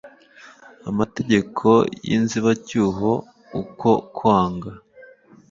amtegeko y inzibacyuho uko kwanga